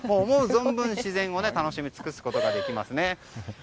存分、自然を楽しみ尽くすことができますね。